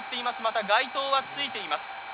また街灯はついています。